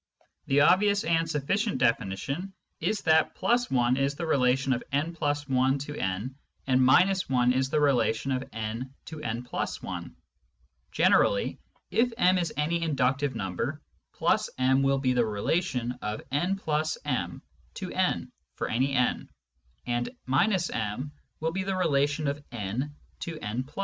The obvious and sufficient definition is that +1 is the relation of m+i to n, and — 1 is the relation of n to w+i. Generally, if m is any inductive number, \ m will be the relation of n \ m to n (for any n), and — m will be the relation of n to n \ m.